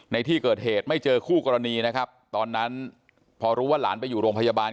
ในที่เกิดเหตุไม่เจอคู่กรณีนะครับตอนนั้นพอรู้ว่าหลานไปอยู่โรงพยาบาล